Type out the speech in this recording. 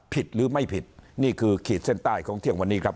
ผิดหรือไม่ผิดนี่คือขีดเส้นใต้ของเที่ยงวันนี้ครับ